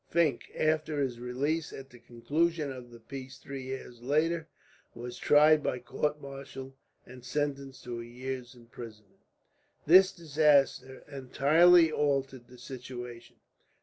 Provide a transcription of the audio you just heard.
Fink, after his release at the conclusion of the peace three years later, was tried by court martial and sentenced to a year's imprisonment. This disaster entirely altered the situation.